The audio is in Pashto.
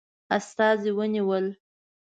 استازي ونیول.